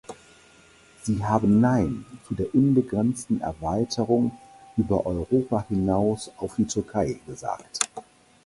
Sie haben nein zu der unbegrenzten Erweiterung über Europa hinaus auf die Türkei gesagt.